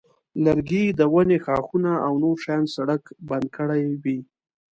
لرګي د ونې ښاخونه او نور شیان سړک بند کړی وي.